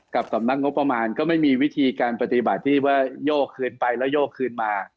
กับสำนักงบประมาณก็ไม่มีวิธีการปฏิบัติที่ว่าโยกคืนไปแล้วโยกคืนมา